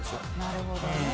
なるほどね。